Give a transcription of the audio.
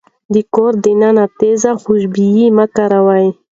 د کور دننه تيز خوشبويي مه کاروئ.